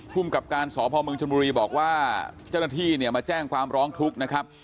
ภูมิกับการสพมชนบุรีบอกว่าเจ้าหน้าที่เนี่ยมาแจ้งความร้องทุกข์นะครับ